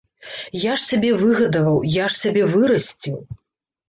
Я ж цябе выгадаваў, я ж цябе вырасціў.